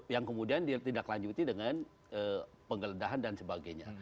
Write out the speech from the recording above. yang kemudian ditindaklanjuti dengan penggeledahan dan sebagainya